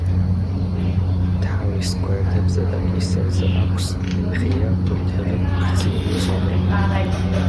თავის გვერდებზე და კისერზე აქვს ღია ყვითელი გრძივი ზოლები.